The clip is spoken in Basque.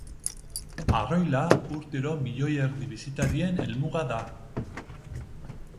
Arroila urtero milioi erdi bisitarien helmuga da.